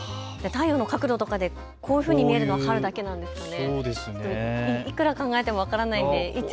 太陽の角度とかでこう見えるの春だけなんですかね。